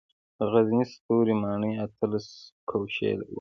د غزني ستوري ماڼۍ اتلس ګوشې وه